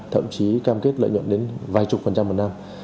thậm chí cam kết lợi nhuận đến vài chục phần trăm một năm